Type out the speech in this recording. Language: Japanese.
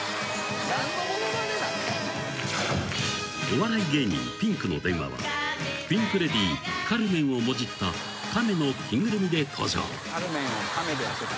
［お笑い芸人ピンクの電話はピンク・レディー「カルメン」をもじった亀の着ぐるみで登場］